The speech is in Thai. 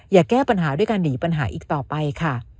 แก้ปัญหาด้วยการหนีปัญหาอีกต่อไปค่ะ